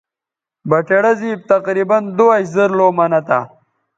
بٹیڑہ زِیب تقریباً دواش زر لَو منہ تھا